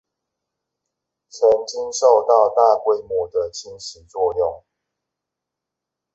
曾經受到大規模的侵蝕作用